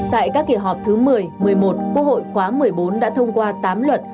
tại các kỳ họp thứ một mươi một mươi một quốc hội khóa một mươi bốn đã thông qua tám luật